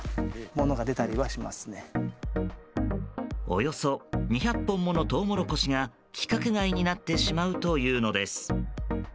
およそ２００本ものトウモロコシが規格外になってしまうというのです。